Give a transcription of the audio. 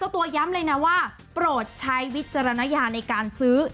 ตัวย้ำเลยนะว่าโปรดใช้วิจารณญาในการซื้อ